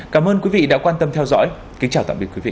cảm ơn quý vị đã quan tâm theo dõi kính chào tạm biệt quý vị